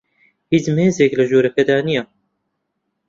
هیچ مێزێک لە ژوورەکەدا نییە.